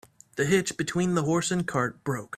The hitch between the horse and cart broke.